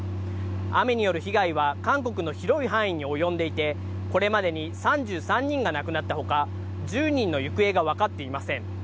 雨による被害は韓国の広い範囲に及んでいて、これまでに３３人が亡くなったほか、１０人の行方が分かっていません。